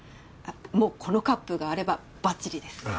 あっもうこのカップがあればバッチリです！